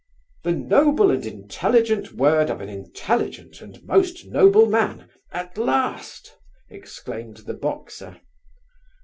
"The noble and intelligent word of an intelligent and most noble man, at last!" exclaimed the boxer.